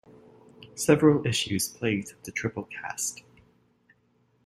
Several issues plagued the Triplecast.